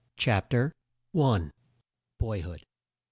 CHAPTER I. BOY HOOD.